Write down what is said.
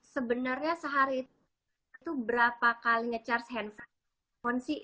sebenarnya sehari itu berapa kali nge charge handphone